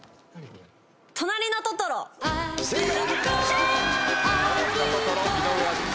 『となりのトトロ』やった！